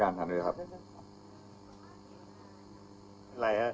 เข้าใจเสียงท่านรองเศรษฐกาลฯครับ